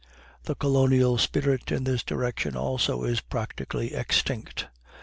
The colonial spirit in this direction also is practically extinct.